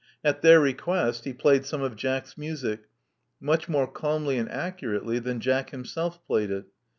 At their request he played some of Jack*s music, much more calmly and accurately than Jack himself played it.